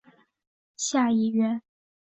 下议院。